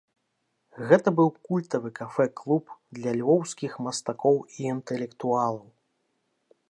Гэта быў культавы кафэ-клуб для львоўскіх мастакоў і інтэлектуалаў.